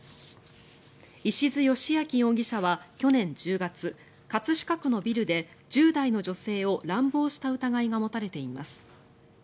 石津佳明容疑者は去年１０月葛飾区のビルで１０代の女性を乱暴した疑いが持たれています。